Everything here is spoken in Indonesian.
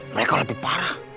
mereka lebih parah